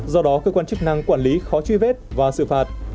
do đó cơ quan chức năng quản lý khó truy vết và xử phạt